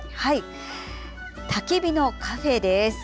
たき火のカフェです。